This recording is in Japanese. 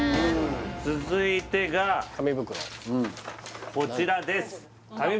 続いてがこちらです